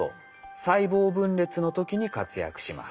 細胞分裂の時に活躍します。